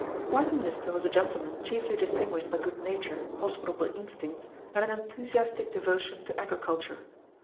Martin Lister was a gentleman chiefly distinguished by good nature, hospitable instincts, and an enthusiastic devotion to agriculture.